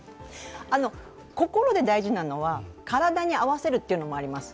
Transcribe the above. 心で大事なのは体に合わせるというのもあります。